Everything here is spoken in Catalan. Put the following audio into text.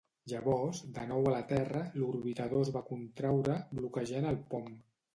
Llavors, de nou a la Terra, l'orbitador es va contraure, bloquejant el pom.